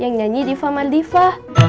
yang nyanyi diva mardiva